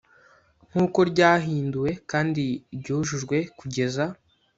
nk uko ryahinduwe kandi ryujujwe kugeza